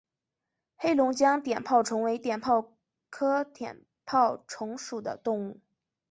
黑龙江碘泡虫为碘泡科碘泡虫属的动物。